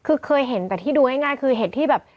คือเคยเห็นแต่ที่ดูง่ายคือเห็ดที่แบบ